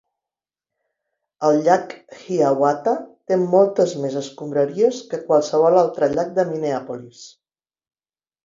El llac Hiawatha té moltes més escombraries que qualsevol altre llac de Minneapolis.